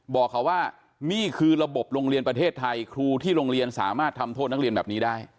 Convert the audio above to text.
บอกเขาว่านี่คือระบบโรงเรียนประเทศไทยครูที่โรงเรียนสามารถทำโทษนักเรียนแบบนี้ได้